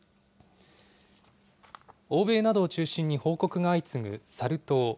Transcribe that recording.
欧米などを中心に報告が相次ぐサル痘。